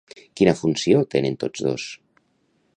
Quina funció tenen tots dos?